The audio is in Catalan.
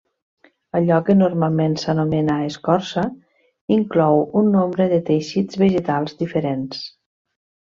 Allò que normalment s'anomena escorça inclou un nombre de teixits vegetals diferents.